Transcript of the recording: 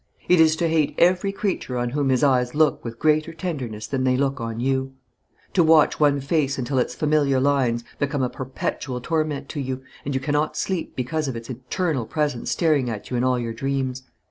It is to hate every creature on whom his eyes look with greater tenderness than they look on you; to watch one face until its familiar lines become a perpetual torment to you, and you cannot sleep because of its eternal presence staring at you in all your dreams.